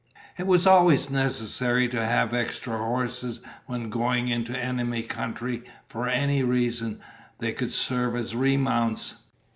It was always necessary to have extra horses when going into enemy country for any reason. They could serve as remounts.